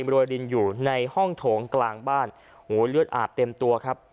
รวยดินอยู่ในห้องโถงกลางบ้านโหเลือดอาบเต็มตัวครับ